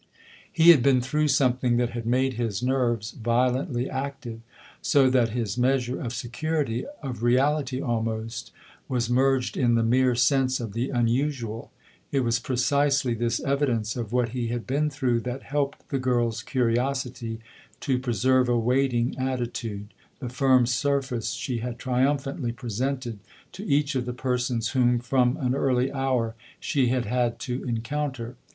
He had been through something that had made his nerves violently active, so that his measure of security, of reality almost, was merged in the mere sense of the unusual. It was precisely this evidence of what he had been through that helped the girl's curiosity to preserve a waiting attitude the firm surface she had triumphantly presented to each of the persons whom, from an early hour, she had had to encounter.